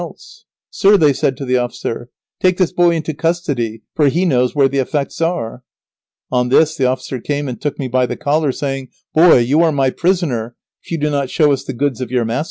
[Sidenote: Lazaro is taken into custody.] "Sir," they said to the officer, "take this boy into custody, for he knows where the effects are." On this the officer came and took me by the collar, saying, "Boy, you are my prisoner if you do not show us the goods of your master."